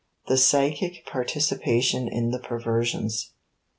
*The Psychic Participation in the Perversions.